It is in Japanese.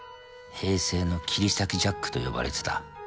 平成の切り裂きジャックと呼ばれてた。